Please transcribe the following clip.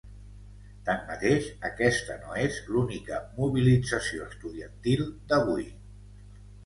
Tanmateix, aquesta no és l’única mobilització estudiantil d’avui.